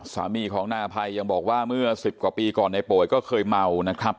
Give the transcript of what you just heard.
สามีของนายอภัยยังบอกว่าเมื่อ๑๐กว่าปีก่อนในโป๋ยก็เคยเมานะครับ